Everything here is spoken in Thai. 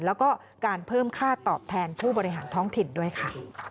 แล้วก็การเพิ่มค่าตอบแทนผู้บริหารท้องถิ่นด้วยค่ะ